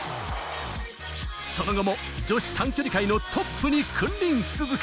その後も女子短距離界のトップに君臨し続け、